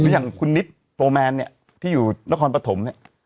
อย่างคุณนิดโฟร์แมนเนี่ยที่อยู่นครปฐมเนี่ย